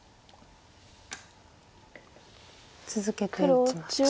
続けて打ちました。